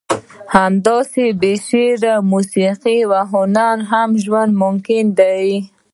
همداسې بې شعر، موسیقي او هنره هم ژوند ممکن دی.